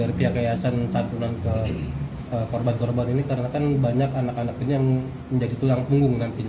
dari pihak yayasan santunan ke korban korban ini karena kan banyak anak anak ini yang menjadi tulang punggung nantinya